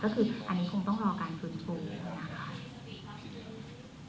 ก็คืออันนี้คงต้องรอการฟื้นฟูนะคะ